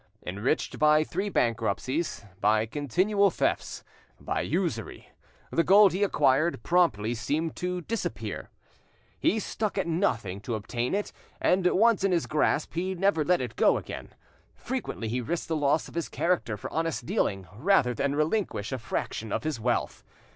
Enriched by three bankruptcies, by continual thefts, by usury, the gold he acquired promptly seemed to disappear. He stuck at nothing to obtain it, and once in his grasp, he never let it go again. Frequently he risked the loss of his character for honest dealing rather than relinquish a fraction of his wealth.